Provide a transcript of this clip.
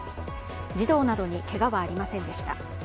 児童などにけがはありませんでした。